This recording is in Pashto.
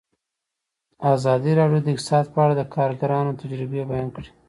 ازادي راډیو د اقتصاد په اړه د کارګرانو تجربې بیان کړي.